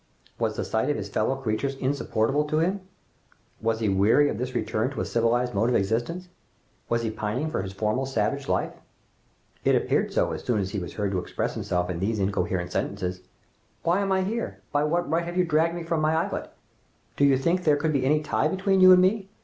Was the sight of his fellow creatures insupportable to him? Was he weary of this return to a civilized mode of existence? Was he pining for his former savage life? It appeared so, as soon he was heard to express himself in these incoherent sentences: "Why am I here?.... By what right have you dragged me from my islet?.... Do you think there could be any tie between you and me?....